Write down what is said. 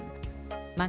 masak lereng lohs lambung